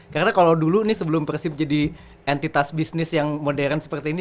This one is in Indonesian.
karena kalau dulu ini sebelum persib jadi entitas bisnis yang modern seperti ini